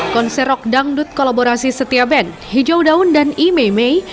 konsei rock dangdut kolaborasi setia band hijau daun dan imei mei